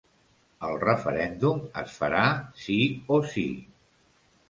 El referèndum es farà sí o sí.